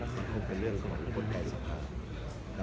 ส่งแล้วเรื่องริสถาคม